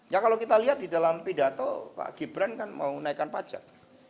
ya kalau kita lihat di dalam pidato pak gibran kan mau naikkan pajak